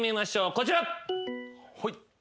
こちら！